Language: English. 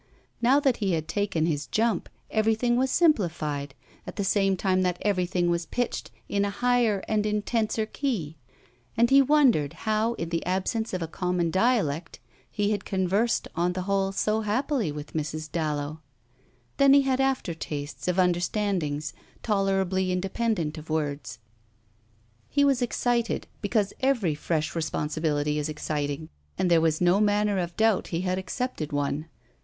Now that he had taken his jump everything was simplified, at the same time that everything was pitched in a higher and intenser key; and he wondered how in the absence of a common dialect he had conversed on the whole so happily with Mrs. Dallow. Then he had aftertastes of understandings tolerably independent of words. He was excited because every fresh responsibility is exciting, and there was no manner of doubt he had accepted one.